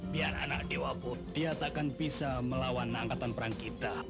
biar anak dewapun dia takkan bisa melawan angkatan perang kita